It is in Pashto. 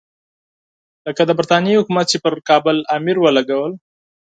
لکه د برټانیې حکومت چې پر کابل امیر ولګول.